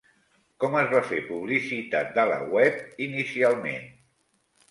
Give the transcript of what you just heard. Com es va fer publicitat de la web inicialment?